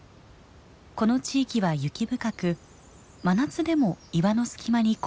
この地域は雪深く真夏でも岩の隙間に氷が残ります。